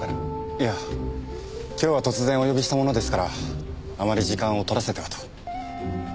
いや今日は突然お呼びしたものですからあまり時間を取らせてはと。